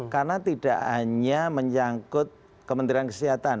karena tidak hanya menyangkut kementerian kesehatan